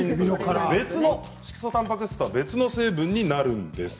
色素たんぱく質とは別の成分になります。